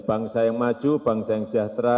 bangsa yang maju bangsa yang sejahtera